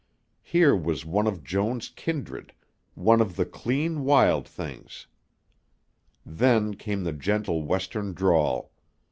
Here was one of Joan's kindred, one of the clean, wild things. Then came the gentle Western drawl.